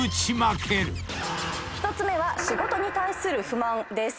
１つ目は仕事に対する不満です。